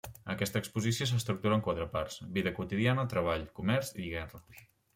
Aquesta exposició s’estructura en quatre parts: vida quotidiana, treball, comerç i guerra.